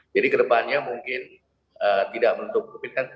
jadi kedepannya mungkin tidak menutup covid kan